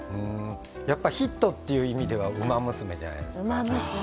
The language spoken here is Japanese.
やっぱヒットという意味では「ウマ娘」じゃないですか。